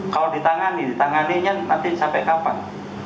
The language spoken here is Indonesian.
kalau ditangani ditanganinya nanti sampai kapan